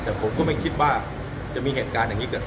แต่ผมก็ไม่คิดว่าจะมีเหตุการณ์อย่างนี้เกิดขึ้น